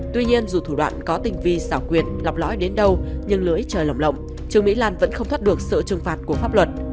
tuy nhiên dù thủ đoạn có tình vi xảo quyệt lọc lõi đến đâu nhưng lưới trời lồng lộng trương mỹ lan vẫn không thoát được sự trừng phạt của pháp luật